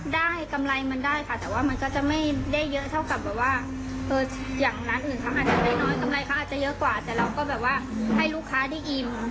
แต่เราก็แบบว่าให้ลูกค้าได้อิ่ม